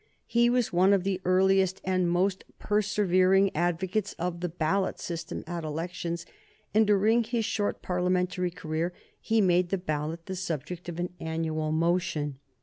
He was one of the earliest and most persevering advocates of the ballot system at elections, and during his short Parliamentary career he made the ballot the subject of an annual motion.